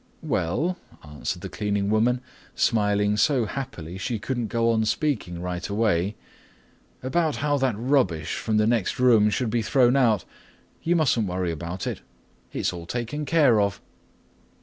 "Well," answered the cleaning woman, smiling so happily she couldn't go on speaking right away, "about how that rubbish from the next room should be thrown out, you mustn't worry about it. It's all taken care of."